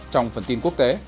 trong phần tin quốc tế